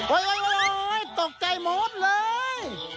โอ๊ยตกใจหมดเลย